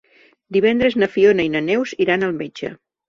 Divendres na Fiona i na Neus iran al metge.